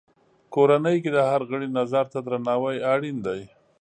کورنۍ کې د هر غړي نظر ته درناوی اړین دی.